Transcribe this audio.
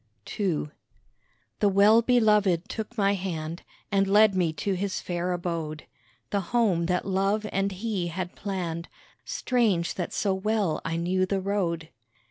II The Well Belovèd took my hand And led me to his fair abode, The home that Love and he had planned. (Strange that so well I knew the road.)